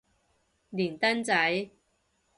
連登仔